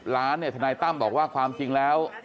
๓๐ล้านธนัยตั้มบอกว่าความจริงแล้ว